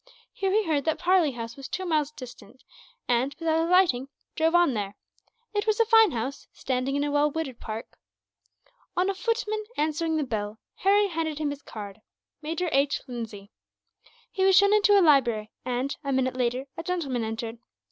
Here he heard that Parley House was two miles distant and, without alighting, drove on there. It was a fine house, standing in a well wooded park. On a footman answering the bell, Harry handed him his card, "Major H. Lindsay." He was shown into a library and, a minute later, a gentleman entered.